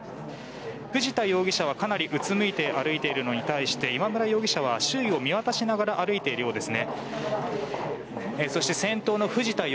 藤田容疑者はかなりうつむいて歩いているのに対して今村容疑者は周囲を見渡しながら歩いているようですね。